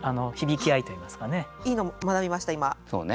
いいの学びました今。